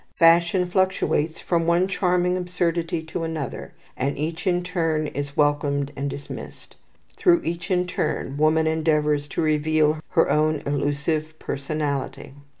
Fashion fluctuates from one charming absurdity to another, and each in turn is welcomed and dismissed; through each in turn woman endeavours to reveal her own elusive personality.